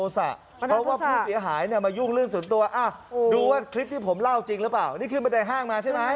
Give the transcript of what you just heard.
ซ้ายมือสุดที่ดีเสื้อเขียวที่เขียวหน่อย